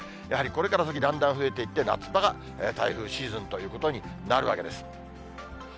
やはりこれから先、だんだん増えていって、夏場が台風シーズンということになるわけです。